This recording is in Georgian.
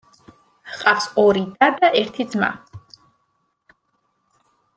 ჰყავს ორი და და ერთი ძმა.